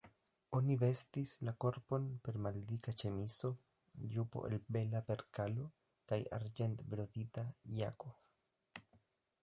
Oni vestis la korpon per maldika ĉemizo, jupo el bela perkalo kaj arĝentbrodita jako.